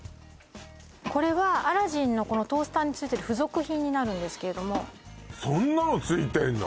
これはアラジンのこのトースターについてる付属品になるんですけれどもそんなのついてんの？